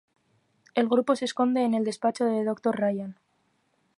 El grupo se esconde en el despacho del Dr. Ryan.